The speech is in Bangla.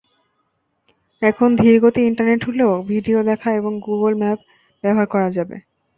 এখন ধীরগতির ইন্টারনেট হলেও ভিডিও দেখা এবং গুগল ম্যাপ ব্যবহার করা যাবে।